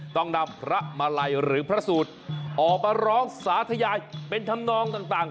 ต้องนำพระมาลัยหรือพระสูตรออกมาร้องสาธยายเป็นธรรมนองต่าง